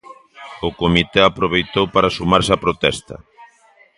O comité aproveitou para sumarse á protesta.